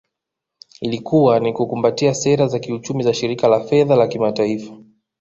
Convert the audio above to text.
Ilikuwa ni kukumbatia sera za kiuchumi za Shirika la Fedha la Kimataifa